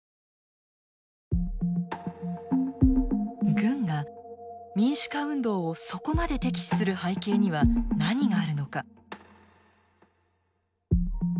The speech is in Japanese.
軍が民主化運動をそこまで敵視する背景には何があるのか？